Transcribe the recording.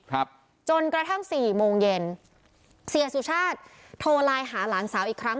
ครับจนกระทั่งสี่โมงเย็นเสียสุชาติโทรไลน์หาหลานสาวอีกครั้ง